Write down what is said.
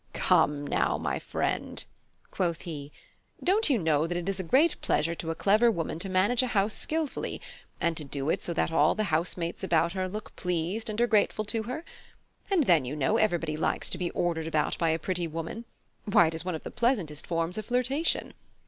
"Come, now, my friend," quoth he, "don't you know that it is a great pleasure to a clever woman to manage a house skilfully, and to do it so that all the house mates about her look pleased, and are grateful to her? And then, you know, everybody likes to be ordered about by a pretty woman: why, it is one of the pleasantest forms of flirtation.